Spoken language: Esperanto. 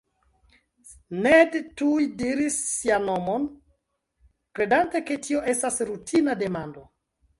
Ned tuj diris sian nomon, kredante ke tio estas rutina demando.